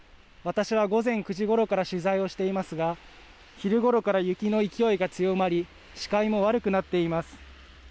私は午前９時ごろから取材をしていますが昼ごろから雪の勢いが強まり視界も悪くなっています。